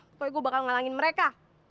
pokoknya gue bakal ngalangin mereka